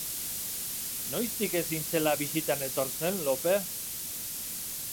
Noiztik ez hintzela bisitan etortzen, Lope?